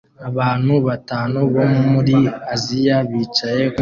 Abantu batanu bo muri Aziya bicaye kumeza